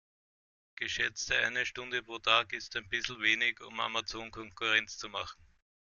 Geschätzte eine Stunde pro Tag ist ein bissl wenig, um Amazon Konkurrenz zu machen.